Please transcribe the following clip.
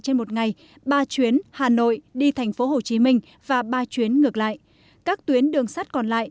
trên một ngày ba chuyến hà nội đi tp hcm và ba chuyến ngược lại các tuyến đường sắt còn lại